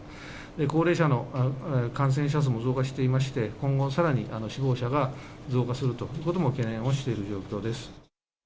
高齢者の感染者数も増加していまして、今後さらに死亡者が増加するということも懸念をしている状況です。